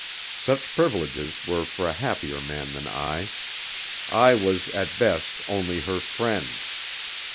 Such privileges were for a happier man than I: I was at best only her "friend."